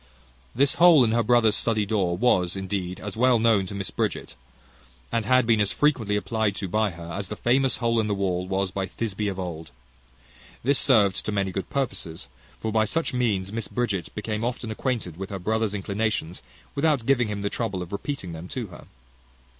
This hole in her brother's study door was indeed as well known to Mrs Bridget, and had been as frequently applied to by her, as the famous hole in the wall was by Thisbe of old. This served to many good purposes. For by such means Mrs Bridget became often acquainted with her brother's inclinations, without giving him the trouble of repeating them to her.